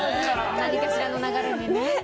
何かしらの流れにね。